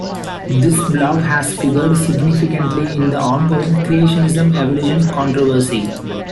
This blog has figured significantly in the ongoing creationism-evolution controversy.